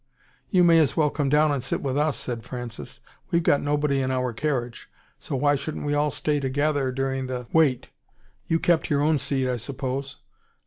"You may as well come down and sit with us," said Francis. "We've got nobody in our carriage, so why shouldn't we all stay together during the wait. You kept your own seat, I suppose."